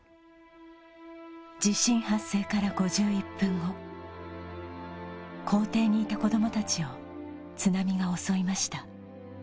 地震発生から５１分後校庭にいた子供達を津波が襲いました